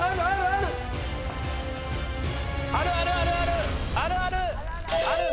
あるあるあるある！